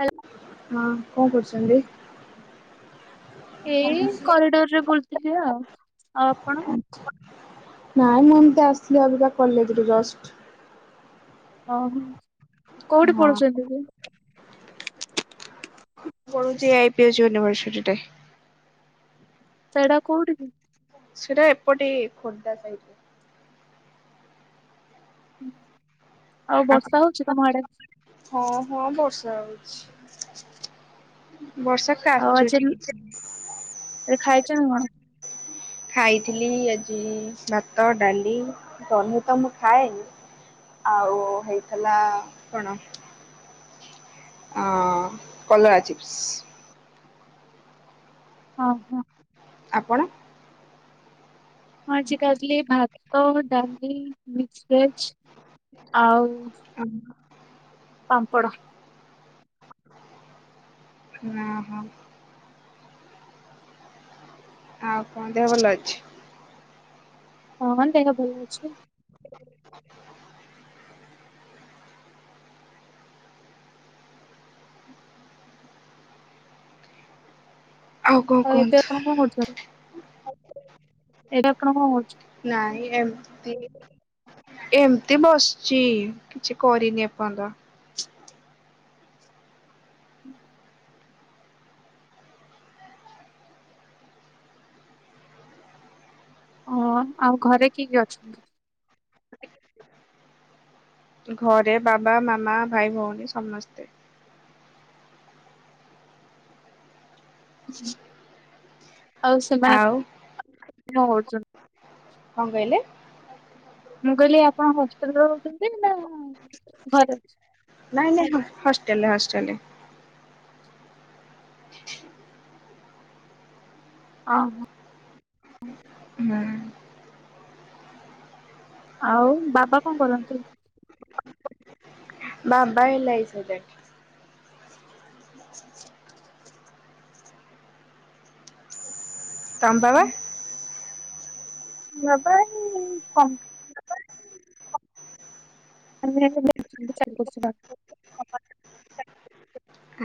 ହେଲା ହଁ କଣ କରୁଛନ୍ତି? ଏଇ କରିଡର ରେ ବୁଲୁଥିଲି ଆଉ ଆଉ ଆପଣ। ନାଇଁ ମୁଁ ଏମିତି ଆସଥିଲି ଅବିକା କଲେଜରୁ ଜଷ୍ଟ। ଓହୋ କୋଉଠି ହଁ ପଢୁଛନ୍ତି ଯେ? ପଢୁଛି ଆଇ ପି ଏଚ ୟୁନିଭର୍ସସିଟି ରେ। ସେଇଟା କୋଉଠି କି? ସେଟା ଏପଟେ ଖୋର୍ଦ୍ଧା ସାଇଟ। ହୁଁ ଆଉ ବର୍ଷା ହଉଛି ତମ ଆଡେ? ହଁ ହଁ ବର୍ଷା ହଉଛି ବର୍ଷା ଆଉ ଆଜ କାଚୁଛି। ଖାଇଛ ନା କଣ? ଖାଇଥିଲି ଆଜି ଭାତ ଡାଲି ସବୁତ ମୁଁ ଖାଏନି। ଆଉ ହେଇଥିଲା କଣ? ଅ କଲରା ଚିପ୍ସ। ହଁ ହଁ। ଆପଣ। ମୁ ଆଜି ଖାଉଥିଲି ଭାତ ଡାଲି ମିକ୍ସ ଭେଜ। ଆଉ ଓହୋ ପାମ୍ପଡ଼। ଓହୋ। ଆଉ କଣ ଦେହ ଭଲ ଅଛି? ହଁ ଦେହ ଭଲ ଅଛି। ହ କଣ ଆଉ ଏବେ କୁହନ୍ତୁ? ତମେ କଣ କରୁଛ କି ଏବେ ଆପଣ କଣ କରୁଛ? ନାଇଁ ଏମତି ଏମିତି ବସିଛି କିଛି କରିନି ଏପଯ୍ୟନ୍ତ। [unintelligible] ଓ ଆଉ ଘରେ କିଏ କିଏ ଅଛନ୍ତି? ଘରେ ବାବା ମାମା ଭାଇ ଭଉଣୀ ସମସ୍ତେ। ହ ଆଉ ସେମାନେ ଆଉ କଣ କରୁଛନ୍ତି? କଣ କହିଲେ? ମୁଁ କହିଲି ଆପଣ ହଷ୍ଟେଲ ରହୁଛନ୍ତି ନା ଘରେ ଅଛ। ନାଇଁ ନାଇଁ ମୁ ହଷ୍ଟେଲରେ ହଷ୍ଟେଲରେ। ଓଁହୋ। [unintelligible] ଆଉ ବାବା କଣ କରନ୍ତି? ବାବା ଲ ଆଇ ସି ଏଜେଣ୍ଟ। ତମ୍ ବାବା। ବାବା ଇ କ [unintelligible]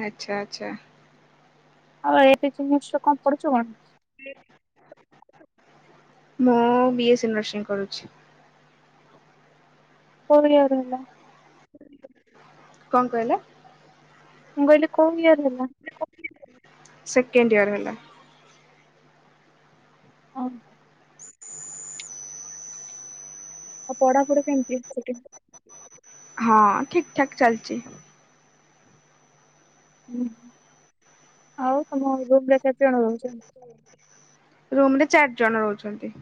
ଆଚ୍ଛା ଆଚ୍ଛା। ଆଉ ଏବେ ଜିନିଷ କଣ ପଡୁଛୁ କଣ? ମୁଁ ବି ଏସ୍ ସ ନର୍ସିଂ କରୁଛି। [unintelligible] କଣ କହିଲେ? ମୁଁ କହିଲି କୋଉ ଇୟର ହେଲା? ସେକେଣ୍ଡ ଇୟର ହେଲା। ହଁ [inaudible] ଆଉ ପଢାପଢି କେମିତି ସେଠି? ହଁ ଠିକ୍ ଠାକ୍ ଚାଲଛି। ହୁଁ ଆଉ ତମ ରୁମରେ କେତେ ଜଣ ରହୁଛ? [inaudible] ରୁମ୍ ରେ ଚାରି ଜଣ ରହୁଛନ୍ତି।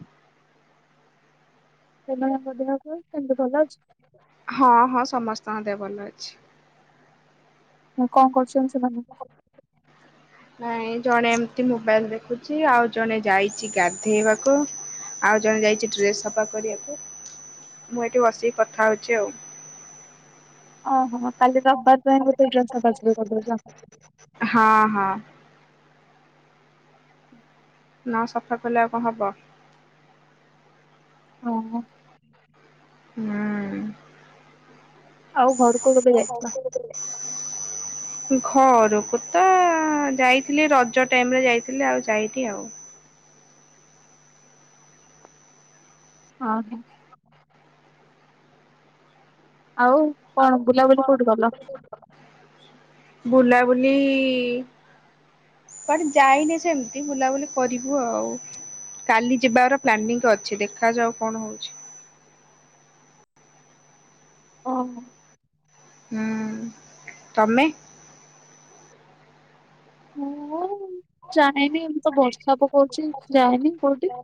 ସେ ଭଳିଆ [unintelligible] ସେମିତି ଭଲ ଲାଗୁଛି। ହଁ-ହଁ ସମସ୍ତଙ୍କ ଦେହ ଭଲ ଅଛି। କଣ କରୁଛନ୍ତି ସେମାନେ? ନାଇଁ ଜଣେ ଏମିତି ମୋବାଇଲ ଦେଖୁଛି ଆଉ ଜଣେ ଯାଇଛି ଗାଧେଇବାକୁ। ଆଉ ଜଣେ ଯାଇଛି ଡ୍ରେସ ସଫା କରିବାକୁ ମୁଁ ଏଠି ବସିକି କଥା ହଉଛି ଆଉ। ଅ ହ କାଲି ରବାର ପାଇଁ ବୋଧେ ଡ୍ରେସ ସଫା ସଫୀ କରି ଦେଉଛ। ହଁ-ହଁ। [inaudible] ନା ଉ ସଫା କଲେ ଆଉ କଣ ହବ। ହଁ। ହୁଁ। ଆଉ ଘରକୁ କେବେ ଆଉ ଯାଇଥିଲ? ଘରକୁ କେବେ ଗଲେ? ଘରକୁ ତ ଯାଇଥିଲି ରଜ ଟାଇମ ରେ ଯାଇଥିଲି ଆଉ ଯାଇନି ଆଉ। ଅ ହଁ। ଆଉ ଆଉ କଣ ବୁଲାବୁଲି କଣ କୋଉଠି କଲ। ବୁଲାବୁଲି କୁଆଡେ ଯାଇନି ସେମିତି ବୁଲାବୁଲି କରିବୁ ଆଉ। କାଲି ଯିବାର ପ୍ଲାନିଂରେ ଅଛି ଦେଖ ଯାଉ କଣ ହଉଛି। ଓହୋ। ହୁଁ। ତମେ ହଁ ଯାଇନି ଏବେ ତ ବର୍ଷା ପକଉଚି ଯାଇନି କୋଉଠି।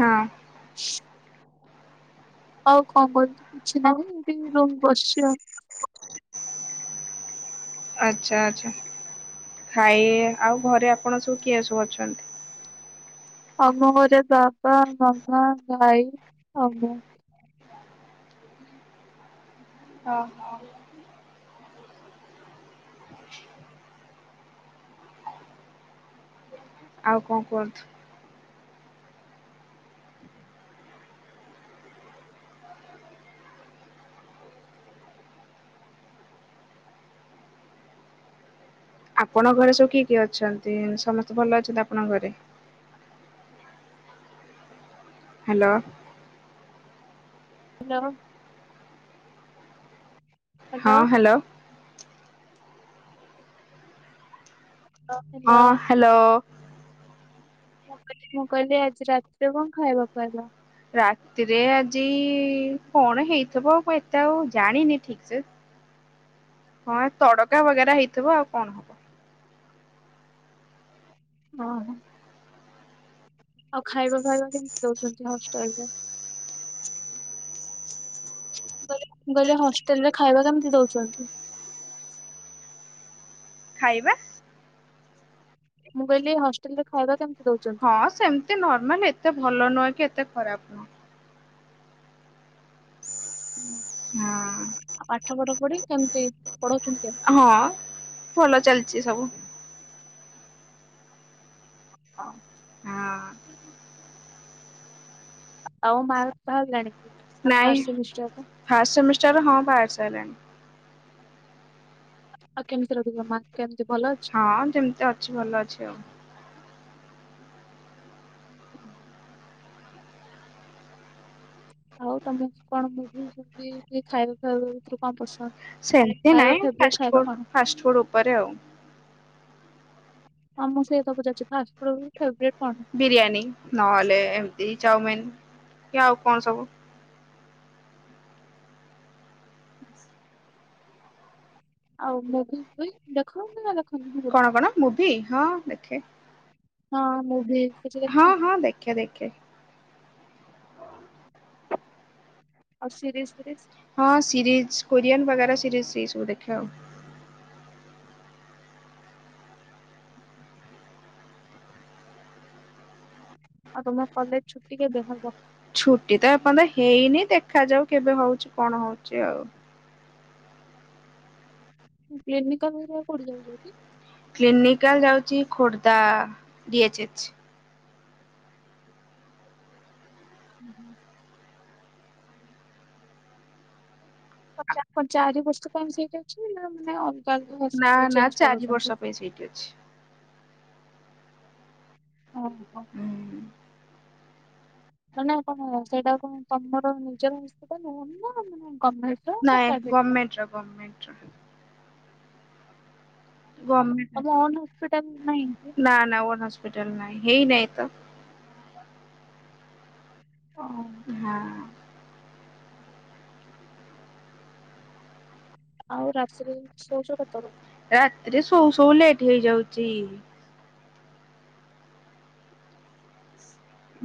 ହଁ। [inaudible] ଆଉ କଣ କରୁଚୁ କିଛି ନାହିଁ ଏମିତି ରୁମ ବସିଛି ଆଉ। ଆଚ୍ଛା ଆଚ୍ଛା ଖାଇ ଆଉ ଘରେ ଆପଣ ସବୁ କିଏ ସବୁ ଅଛନ୍ତି। ଆମ ଘରେ ବାପା ମାମା ଭାଇ ଆଉ ମୁଁ। ଅ ହ। ଆଉ କଣ କୁହନ୍ତୁ? ଆପଣଙ୍କ ଘରେ ସବୁ କିଏ କିଏ ଅଛନ୍ତି ସମସ୍ତେ ଭଲ ଅଛନ୍ତି ଆପଣଙ୍କ ଘରେ? ହ୍ୟାଲୋ। ହ୍ୟାଲୋ। ହଁ ହ୍ୟାଲୋ। ହଁ ହ୍ୟାଲୋ ହ୍ୟାଲୋ। ମୁଁ କହିଲି ଆଜି ରାତିରେ କଣ ଖାଇବା ଖୁଆଇଲ। ରାତିରେ ଆଜି କଣ ହେଇଥିବ ଆଉ ଏତେ ଆଉ ଜାଣିନି ଠିକ ସେ। [unintelligible] ହଁ ତଡକା ବଗେରା ହେଇଥିବ ଆଉ କଣ ହବ। ହଁ। ଆଉ ଖାଇବା ଫାଇବା କେମତି ଦଉଛନ୍ତି ହଷ୍ଟେଲ ରେ? ମୁଁ କହିଲି ହଷ୍ଟେଲ୍ ରେ ଖାଇବା କେମିତି ଦୋଉଛନ୍ତି? ଖାଇବା ମୁଁ କଇଲିି ହଷ୍ଟେଲ୍ ରେ ଖାଇଦବା କେମିତି ଦଉଛନ୍ତି? ହଁ ସେମିତି ନର୍ମାଲ ଏତେ ଭଲ ନୁହେଁ କି ଏତେ ଖରାପ ନୁହେଁ। ହୁଁ। ହଁ। ଆଉ ପାଠ ଫାଠ ପଢି କେମିତି ପଢୋଉଚନ୍ତି କେ ହଁ ଭଲ ଚାଲ୍ ତି ସବୁ। ହଁ। ହଁ। ଆଉ ମୁ ବାହାର ଫାଅର ଜାଣିଚି। ନାଇଁ ଫାଷ୍ଟ୍ ସେମିଷ୍ଟର୍ ରେ ହଁ ବାହାରି ସାଇଲାଣି। ଆଉ କେମିତି ରଖିବ ମାର୍କ କେମିତି ଭଲ ଅଛି? ହଁ ଯେମିତି ଅଛି ଭଲ ଅଛି ଆଉ। ଓହୋ ଆଉ ତମେ କଣ ମୁଭି ଫୁଭି ଖାଇବା ଫାଇବା ଭିତରୁ କଣ ପସନ୍ଦ? ସେମ୍ତି ଖାଇବା ନାଇଁ ଫେବରେଟ୍ ଫାଷ୍ଟ୍ ଖାଇବା ଫୁଡ୍ କଣ? ଫାଷ୍ଟ୍ ଫୁଡ୍ ଉପରେ ଆଉ। ହଁ ମୁଁ ସେଇ କଥା ପଚାରୁଚି ଫାଷ୍ଟ୍ ଫୁଡ୍ ଫେବ୍ରେଟ୍ କଣ? ବିରିୟାନୀ ନହେଲେ ଏମିତି ଚାଉମିିନ କି ଆଉ କଣ ସବୁ। ଆଉ ମୁଭି ଫୁଭି ଦେଖ ନା ଦେଖନି ସେଗୁଡା? କଣ କଣ ମୁଭି ହଁ ଦେଖେ। ହଁ ମୁଭି କିଛି ହଁ ଦେଖ ହଁ ଦେଖେ ଦେଖେ। ଆଉ ଶିରିଜ ସିରିଜ୍ ହଁ ସିରିଜ୍ କୋରିଆନ୍ ବଗେରା ସିରିଜ୍ ସେଇ ସବୁ ଦେଖେ ଆଉ। ଆଉ ତୁମେ କଲେଜ୍ ଛୁଟି କେବେ ହବ? ଛୁଟି ତ ଏପନ୍ତ ହେଇନି ଦେଖାଯାଉ କେବେ ହୋଉଚି କଣ ହୋଉଚି ଆଉ। କ୍ଲିନିକଲ୍ ରା କୋଉଠି ଯାଉଚ କି? କ୍ଲିନିକାଲ୍ ଯାଉଛି ଖୋର୍ଦ୍ଧା ଡି-ଏଚ୍-ଏଚ୍। ହୁଁ ହୁଁ। କଁ ଚାରି ବର୍ଷ ପାଇଁ ସେଇି ଅଛି ନା ମାନେ ଅଲ୍ଗା ଅଲଗା ହସ୍ପିଟାଲ୍ ଚେଞ୍ଜ୍ କରୋଉଛନ୍ତି। ଏ ସେଇଠି ଅଛି। ଓ ହୋ। ନା ନା କଣ ସେଇଟା କଣ ତମର ନିଜର ହସ୍ପିଟାଲ୍ ନାଁ ମାନେ ଗମ୍ହେ ନାଇଁ ଗମେଣ୍ଟ୍ ର ଗମେଣ୍ଟ୍ ର। ଗର୍ମେଣ୍ଟ୍ ତମ ଓନ୍ ହସ୍ପିଟାଲ ନାହିଁ କି? ହପି ନା ନା ଗ ହସ୍ପିଟାଲ୍ ନାଇଁ ହେଇ ନାଇ ତ। ହଁ। ହଁ। ଆଉ ରାତିରେ ସୋଉଚ କେତବେଳେ? ରାତିରେ ସୋଉ ସୋଉ ଲେଟ୍ ହେଇଯାଉଚି।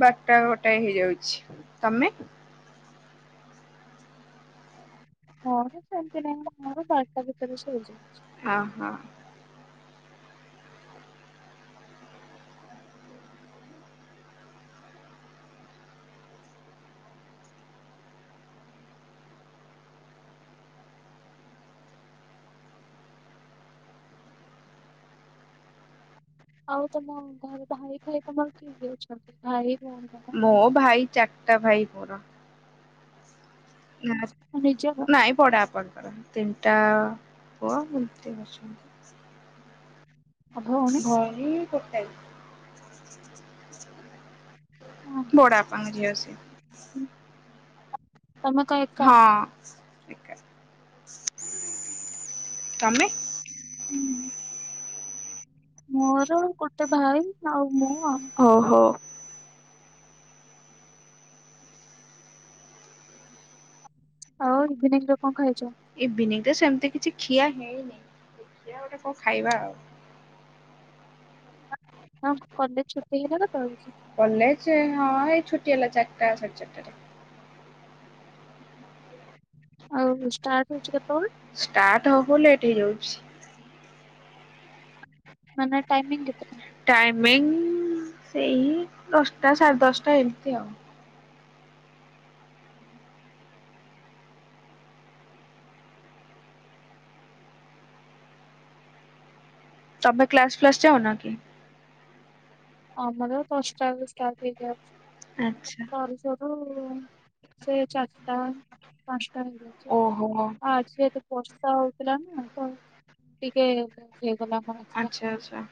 ବାର୍ଟା ଗୋଟେ ହେଇଯାଉଛି ତମେ? ହଁ ଯେ ସେମିତି ନାଇ ମୋର ବାରଟା ଭିତରେ ଶୋଇଯାଉଛି। ଓ ହୋ। ଆଉ ତମ ଘରେ ଭାଇ ଫାଇ ତମର କିଏ କିଏ ଅଛନ୍ତି? ଭାଇ ଭୋଉଣି ମୋ ଭାଇ ଚାର୍ଟା ଭାଇ ମୋର। ନମସ୍କାର। ଅ ନିଜର। ଖଡ଼ା ଆପଣଙ୍କର ତିନିଟା ପୁଅ ମତି ବସିଛନ୍ତି। ଆଉ ଭଉଣୀ ଭରି ଗୋଟାଏ। ହଁ, ବଡ ବାପା ଙ୍କ ଝିଅ ସିଏ। ହୁଁ। ତମେ କଣ ଏକା? ହଁ। ତମେ। ହୁଁ, ମୋର ଗୋଟେ ଭାଇ ଆଉ ମୁଁ ଆଉ। ଓହୋ। ଆଉ ଇଭିନିଙ୍ଗି ରେ କଣ ଖାଇଛ। ଇଭିନିଙ୍ଗି ରେ ସେମିତି କିଛି ଖିଆ ହେଇନି ଦେଖିଆ ଗୋଟେ କ'ଣ ଖାଇବା ଆଉ। ହଁ କଲେଜ ଛୁଟି ହେଲା କେତବୋଳୁକୁ। କଲେଜ ହଁ ଏଇ ଛୁଟି ହେଲା ଚାରିଟା ସାଢେ ଚାରିଟାରେ। ଆଉ ଷ୍ଟାର୍ଟ ହଉଛି କେତବେଳେ। ଷ୍ଟାର୍ଟ ହବ ବୋଲି ଲେଟେ ହେଇ ଯାଉଛି। ମାନେ ଟାଇମିଙ୍ଗି କେତେଟା। ଟାଇମିଙ୍ଗି ସେଇ ଦଶଟା ସାଢ଼େ ଦଶଟା ଏମିତି ଆଉ। ତମେ କ୍ଲାସ, ପ୍ଲାସ ଯାଅ ନା କି? ଆମର କଷ୍ଟାଲଷ୍ଟାର୍ଟ ହେଇଯାଇଛି। ଆଚ୍ଛା। ଘରୁ ସେ ଚାରିଟା, ପାଞ୍ଚଟା ହେଇଯାଉଛି ଆଉ ଓହୋ ଆଜି ଏ। ଏ ବର୍ଷା ହଉଥିଲା ନା ତ ଟିକେ ହେଇଗଲା କ'ଣ। ଆଚ୍ଛା ଆଚ୍ଛା।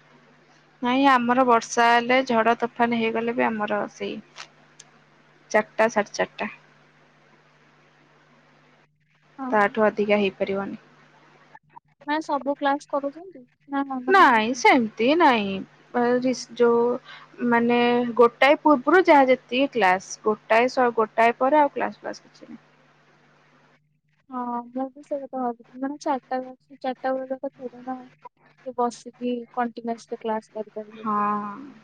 ନାଇଁ ଆମର ବର୍ଷା ହେଲେ ଝଡ, ତୋଫାନ ହେଇଗଲେ ବି ଆମର ସେଇ। ଚାରିଟା ସାଢ଼େ ଚାରିଟା। ହଁ। ତାଠୁ ଅଧିକା ହେଇପାରିବନି। ନା ସବୁ କ୍ଲାସ କରୁଛନ୍ତି। ନା ହଁ, ମାନେ ନାଇଁ ଏମିତି ସେମିତି ନାଇଁ ପାରାଜିସି ଯୋଉଁ। ମାନେ ଗୋଟାଏ ପୂର୍ବରୁ ଯାହା ଯେତିକି କ୍ଲାସ। ଗୋଟାଏ ଶ ଗୋଟାଏ ପରେ ଆଉ କ୍ଲାସ, ଫ୍ଲାସ୍ କିଛି ନାହିଁ। ହଁ ଭାଉଜ ସେଇ କଥା ଭାବୁଥିଲି ମାନେ ଚାରିଟା ଚାରିଟା ବେଳ ପଯ୍ୟନ୍ତ ଥିରେ ନା। କି ବସିକି କଣ୍ଟିୁନାସ ଟା କ୍ଲାସ କରିକି। ହଁ।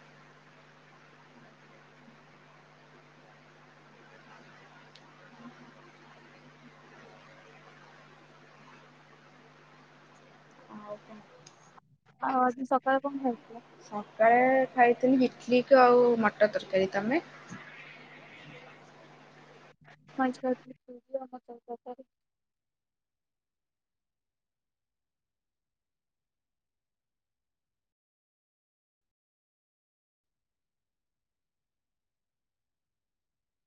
ଆଉ କ'ଣ। ଆଉ ଆଜି ସକାଳେ କଣ ଖାଇଥିଲ? ସକାଳେ ଖାଇଥିଲି ଇଟିଲି କୁ ଆଉ ମଟର ତରକାରୀ ତମେ। ମୁଁ ଆଜି ଖାଇଥିଲି ପୁରୀ ଆଉ ମଟର ତରକାରୀ।